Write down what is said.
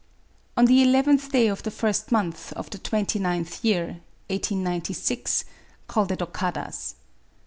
On the eleventh day of the first month of the twenty ninth year , called at Okada's.